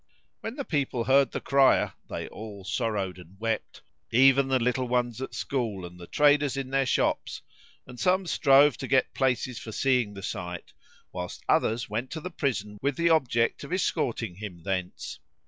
When the people heard the crier, they all sorrowed and wept, even the little ones at school and the traders in their shops; and some strove to get places for seeing the sight, whilst others went to the prison with the object of escorting him thence.